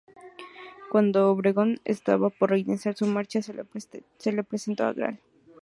Cuando Obregón estaba por reiniciar su marcha, se le presentó el Gral.